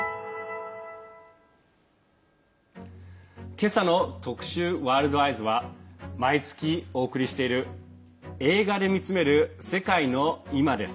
今朝の特集「ワールドＥＹＥＳ」は毎月お送りしている「映画で見つめる世界のいま」。